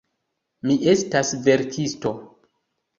Mi estas verkisto.